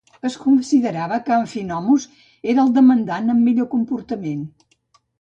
Es considerava que Amphinomus era el demandant amb millor comportament.